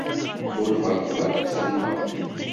Mḥu lbaṭel akk i xedmeɣ.